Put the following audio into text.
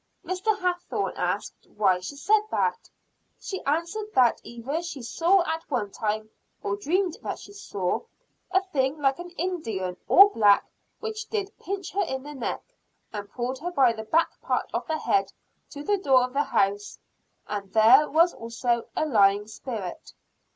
Mr. Hathorne asked why she said that. She answered that either she saw at one time, or dreamed that she saw, a thing like an Indian, all black, which did pinch her in the neck, and pulled her by the back part of the head to the door of the house. And there was also a lying spirit.